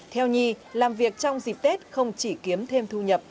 theo nhi làm việc trong dịp tết không chỉ kiếm thêm thu nhập